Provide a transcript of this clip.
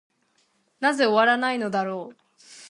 なぜ終わないのだろう。